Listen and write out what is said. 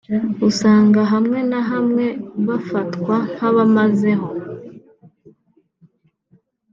usanga hamwe na hamwe bafatwa nk’abamazeho